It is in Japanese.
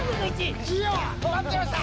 待ってました！